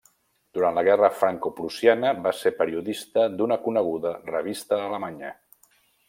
Durant la guerra francoprussiana va ser periodista d'una coneguda revista alemanya.